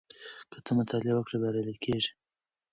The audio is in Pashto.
که ته مطالعه وکړې بریالی کېږې.